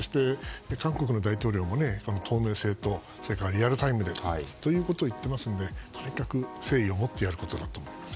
各国の大統領も透明性とリアルタイムということを言っていますのでとにかく誠意を持ってやることだと思います。